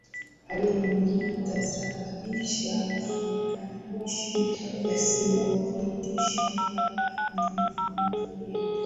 hayai yatasababisha marekebisho yasiyoridhisha kikamilifu na huenda